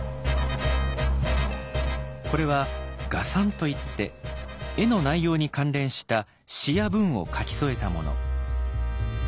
これは「画賛」といって絵の内容に関連した詩や文を書き添えたもの。